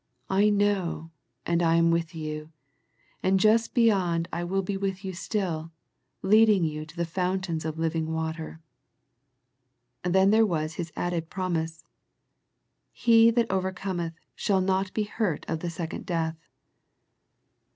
I know, and I am with you, and just beyond I will be with you still, leading you to the fountains of living waters. Then there was His added promise. " He that overcometh shall not be hurt of the second death."